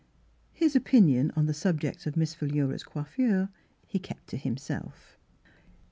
His opinion on the subject of ]\Iiss Phi lura's coiffure he kept to himself.